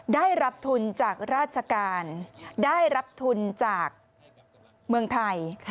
ได้รับทุนจากราชการได้รับทุนจากเมืองไทย